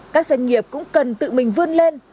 các doanh nghiệp cũng cần tự mình vươn lên